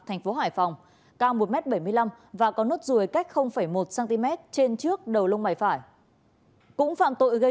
tp hải phòng cao một m bảy mươi năm và có nốt rùi cách một cm trên trước đầu lông bài phải cũng phạm tội gây